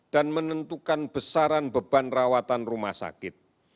dan menentukan besaran beban rawatan rumah sakit